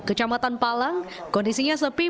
kecamatan palang kondisinya sepi